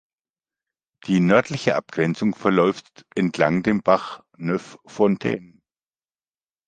Die nördliche Abgrenzung verläuft entlang dem Bach "Neuf Fontaines".